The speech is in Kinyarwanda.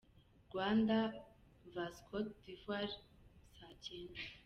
Rwanda vs Cote d’Ivoire: saa cyenda .